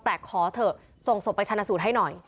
แต่ขอเถอะส่งศพไปชนะสูตรให้หน่อย